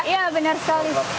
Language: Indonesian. iya benar sekali